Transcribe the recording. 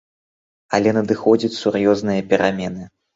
Але надыходзяць сур'ёзныя перамены.